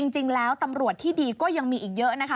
จริงแล้วตำรวจที่ดีก็ยังมีอีกเยอะนะคะ